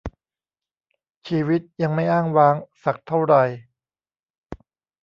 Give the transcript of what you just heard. ชีวิตยังไม่อ้างว้าง สักเท่าไร